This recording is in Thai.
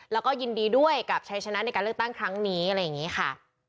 แล้วก็ยินดีด้วยกับชัยชนะในการเลือกตั้งครั้งนี้อะไรอย่างนี้ค่ะ